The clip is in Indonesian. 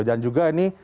dan juga ini